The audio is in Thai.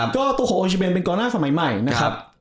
ก็ตัวของโอชิเบนเป็นกองหน้าสมัยใหม่นะครับ